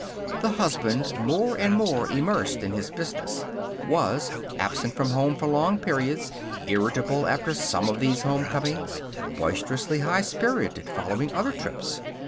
The husband, more and more immersed in his business, was absent from home for long periods irritable after some of these home comings; boisterously high spirited following other trips.